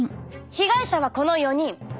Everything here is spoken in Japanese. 被害者はこの４人。